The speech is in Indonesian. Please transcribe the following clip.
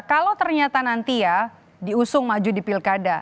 kalau ternyata nanti ya diusung maju di pilkada